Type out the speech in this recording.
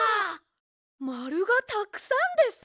まるがたくさんです！